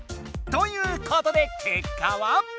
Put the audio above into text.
ということでけっかは？